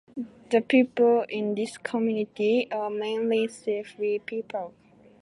The people in this community are mainly Sefwi people.